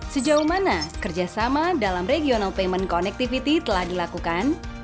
sejauh mana kerjasama dalam regional payment connectivity telah dilakukan